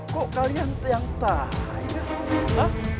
kok kalian yang tanya